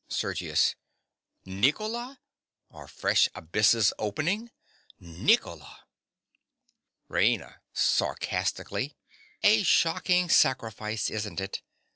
SERGIUS. Nicola! Are fresh abysses opening! Nicola!! RAINA. (sarcastically). A shocking sacrifice, isn't it?